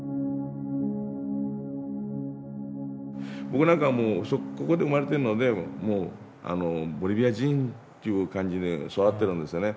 僕なんかはもうここで生まれてるのでボリビア人っていう感じで育ってるんですよね。